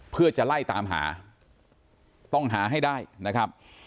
เพื่อจะไล่ตามหาต้องหาให้ได้นะครับ